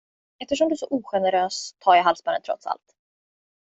Eftersom du är så ogenerös, tar jag halsbandet trots allt.